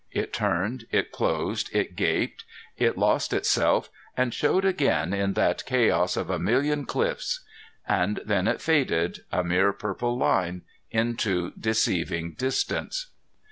It turned, it closed, it gaped, it lost itself and showed again in that chaos of a million cliffs. And then it faded, a mere purple line, into deceiving distance.